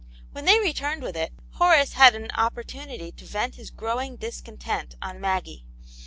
When they returned with it, Horace had an opportunity to vent his growing discontent on Maggie.